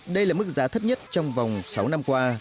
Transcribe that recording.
đây là mức giá thấp nhất trong vòng sáu năm qua